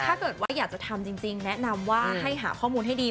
ถ้าเกิดว่าอยากจะทำจริงแนะนำว่าให้หาข้อมูลให้ดี